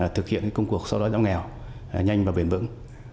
thực hiện công cuộc sau đó giảm nghèo nhanh và bền vững